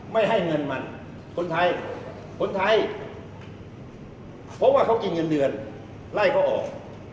ไม่ให้เงินมันคนไทยคนไทยเพราะว่าเขากินเงินเดือนไล่เขาออก